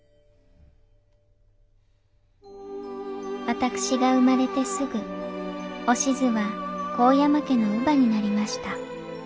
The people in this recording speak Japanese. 私が生まれてすぐおしづは神山家の乳母になりました。